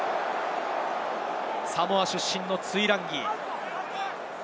サモア出身のトゥイランギ。